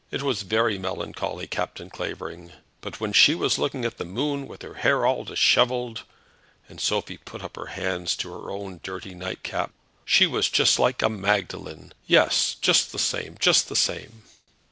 It was very melancholy, Captain Clavering. But when she was looking at the moon, with her hair all dishevelled," and Sophie put her hands up to her own dirty nightcap, "she was just like a Magdalen; yes, just the same; just the same."